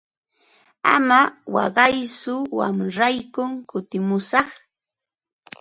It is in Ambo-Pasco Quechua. Ama waqaytsu qamraykum kutimushaq.